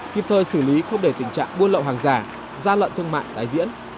kịp thời xử lý không để tình trạng buôn lậu hàng giả ra lợn thương mại tái diễn